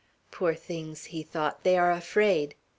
"Poor things!" he thought; "they are afraid."